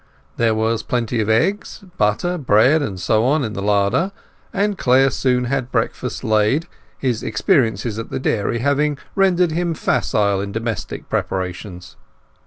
There was plenty of eggs, butter, bread, and so on in the larder, and Clare soon had breakfast laid, his experiences at the dairy having rendered him facile in domestic preparations.